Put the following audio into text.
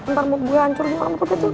ntar mood gue hancur juga orang pekecil